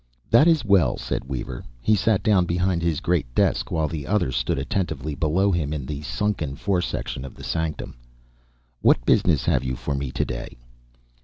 "That is well," said Weaver. He sat down behind His great desk, while the others stood attentively below Him, in the sunken fore section of the sanctum. "What business have you for Me today?"